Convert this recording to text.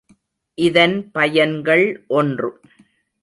இதன் பயன்கள் ஒன்று.